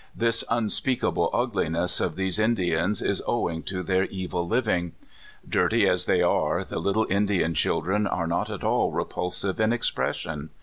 This unspeakable ugliness of these Indians is owing to their evil liv ing. Dirty as they are, the little Indian children are not at all repulsive in expression.